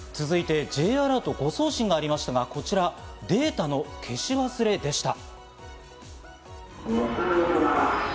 続いてＪアラート誤送信がありましたが、こちらはデータの消し忘れでした。